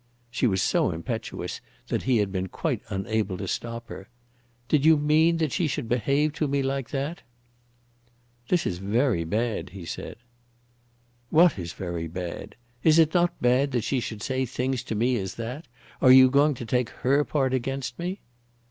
She was so impetuous that he had been quite unable to stop her. "Did you mean that she should behave to me like that?" "This is very bad," he said. "What is very bad. Is it not bad that she should say such things to me as that? Are you going to take her part against me?"